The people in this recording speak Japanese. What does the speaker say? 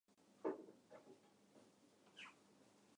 てか最低